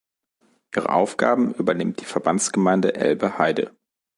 Ihre Aufgaben übernimmt die Verbandsgemeinde Elbe-Heide.